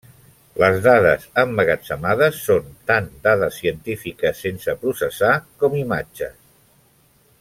Les dades emmagatzemades són tant dades científiques sense processar, com imatges.